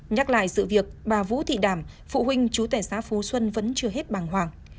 nhắc lại sự việc bà vũ thị đảm phụ huynh chú tệ xã phú xuân vẫn chưa hết bàng hoàng